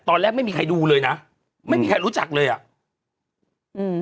ตอนแรกไม่มีใครดูเลยนะไม่มีใครรู้จักเลยอ่ะอืม